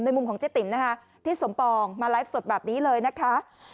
มุมของเจ๊ติ๋มนะคะที่สมปองมาไลฟ์สดแบบนี้เลยนะคะ